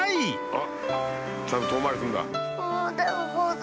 あっちゃんと遠回りするんだ。